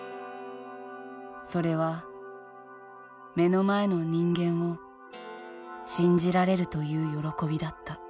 それは目の前の人間を信じられるという喜びだった。